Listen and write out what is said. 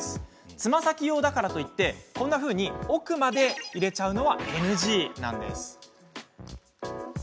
つま先用だからといってこんなふうに奥まで入れるのはＮＧなんです。